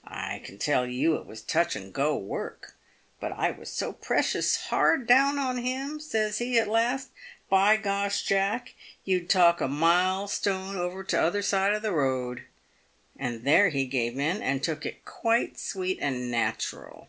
" I can tell you, it was touch and go work ; but I was so precious hard down on him, says he, at last, * By G osh, Jack ! you'd talk a 344 PAVED WITH GOLD. milestone over to the t'other side of the road.' And there he give in, and took it quite sweet and nat'ral."